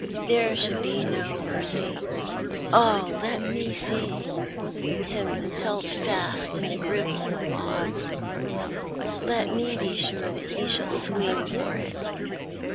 There should be no mercy. Oh, let me sec him held fast in the grip of the law — let mo be sure that he shall swing for it."